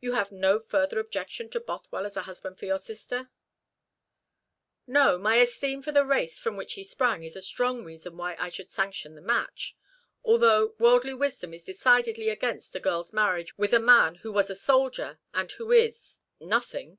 "You have no further objection to Bothwell as a husband for your sister?" "No, my esteem for the race from which he sprang is a strong reason why I should sanction the match; although worldly wisdom is decidedly against a girl's marriage with a man who was a soldier, and who is nothing."